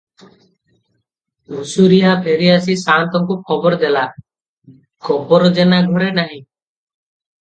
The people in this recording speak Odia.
ଘୁଷୁରିଆ ଫେରିଆସି ସାଆନ୍ତକୁ ଖବର ଦେଲା, ଗୋବରା ଜେନା ଘରେ ନାହିଁ ।